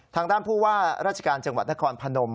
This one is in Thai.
ทางด้านผู้ว่าราชการจังหวัดนครพนม